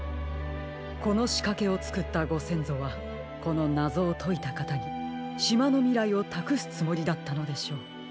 このしかけをつくったごせんぞはこのなぞをといたかたにしまのみらいをたくすつもりだったのでしょう。